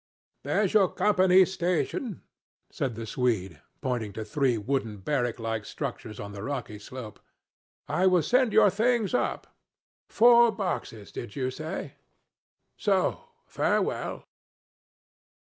'There's your Company's station,' said the Swede, pointing to three wooden barrack like structures on the rocky slope. 'I will send your things up. Four boxes did you say? So. Farewell.'